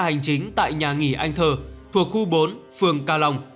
hành chính tại nhà nghỉ anh thơ thuộc khu bốn phường cà long